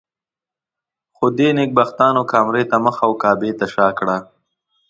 خو دې نېکبختانو کامرې ته مخ او کعبې ته شا کړه.